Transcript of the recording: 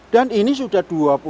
dan ini sudah dua puluh lima